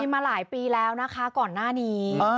มาหลายปีแล้วนะคะก่อนหน้านี้